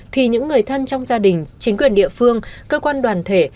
thì những người thân trong gia đình chính quyền địa phương cơ quan đoàn thể